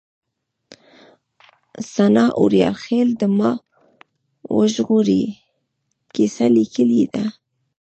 سناء اوریاخيل د ما وژغورئ کيسه ليکلې ده